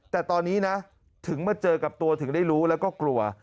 แต่ตอนนี้นะถึงมาเจอกับตัวถึงได้รู้แล้วก็กลัว